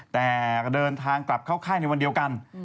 แต่ก็เดินทางกลับเข้าค่ายในวันเดียวกัน